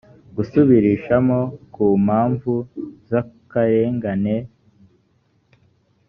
gusubirishamo ku mpamvu z akarengane due to injustice